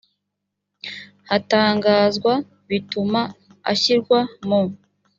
hatangazwa bituma ashyirwa mu